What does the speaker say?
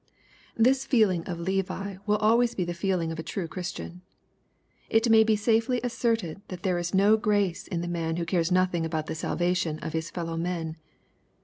— This feeling of Levi will always be the feeling of a ^ true Christian. It may be safely asserted that there is DO grace in the man who cares nothing about the salva tion of his fellow men.